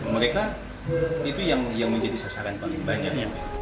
mereka itu yang menjadi sasaran paling banyak